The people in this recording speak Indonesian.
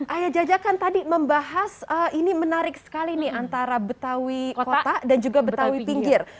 ayah jaja kan tadi membahas ini menarik sekali nih antara betawi kota dan juga betawi pinggir